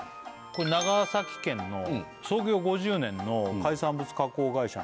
これ長崎県の創業５０年の海産物加工会社